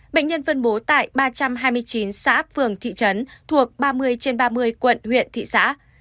bệnh nhân phân bố tại ba trăm hai mươi chín xã phường thị trấn thuộc ba mươi trên ba mươi quận huyện thị xã